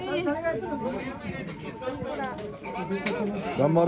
頑張れ。